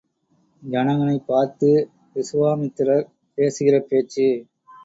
ஜனகனைப் பார்த்து விசுவாமித்திரர் பேசுகிறபேச்சு.